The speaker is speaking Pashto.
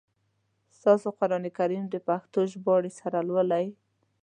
تاسو قرآن کریم د پښتو ژباړي سره لولی ؟